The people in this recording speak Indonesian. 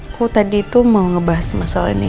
aku tadi itu mau ngebahas masalah ini